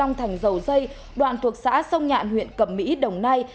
long thành dầu dây đoạn thuộc xã sông nhạn huyện cẩm mỹ đồng nai